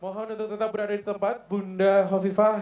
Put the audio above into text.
mohon untuk tetap berada di tempat bunda hovifah